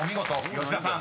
吉田さん］